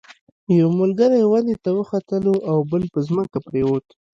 یو ملګری ونې ته وختلو او بل په ځمکه پریوت.